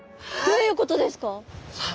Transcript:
どういうことですか？